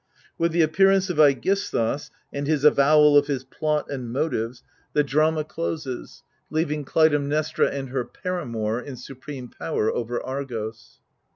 With the appearance of ^Egisthus, and his avowal of his plot and motives, the drama xvi THE HOUSE OF ATREUS closes, leaving Clytemnestra and her paramour in supreme power over Argos.